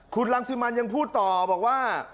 คุณรังสิมันยังพูดต่อบอกว่า